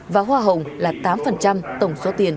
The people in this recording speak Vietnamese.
và hoa hồng là tám tổng số tiền